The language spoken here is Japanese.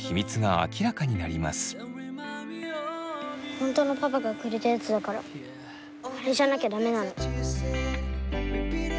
本当のパパがくれたやつだからあれじゃなきゃ駄目なの。